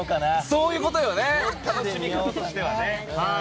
そういうことよね楽しみ方としてはね。